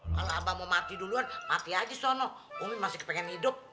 kalau abang mau mati duluan mati aja sono umi masih kepengen hidup